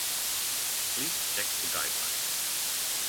Please check the guidelines.